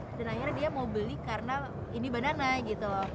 dan akhirnya dia mau beli karena ini banana gitu